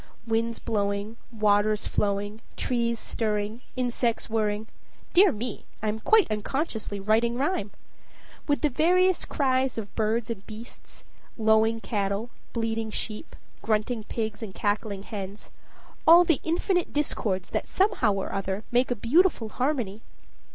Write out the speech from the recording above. Winds blowing, waters flowing, trees stirring, insects whirring (dear me! I am quite unconsciously writing rhyme), with the various cries of birds and beasts, lowing cattle, bleating sheep, grunting pigs, and cackling hens, all the infinite discords that somehow or other make a beautiful harmony.